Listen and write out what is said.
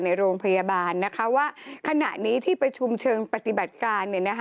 ในโรงพยาบาลนะคะว่าขณะนี้ที่ประชุมเชิงปฏิบัติการ